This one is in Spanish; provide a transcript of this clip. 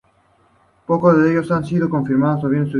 Pocos de ellos han sido confirmados o bien estudiados.